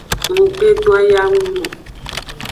Nggbe doyanung o.